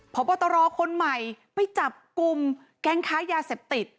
พบตรคนใหม่ไปจับกลุ่มแก๊งค้ายาเสพติด